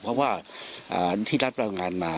เพราะว่าที่รัสเปล่างานมา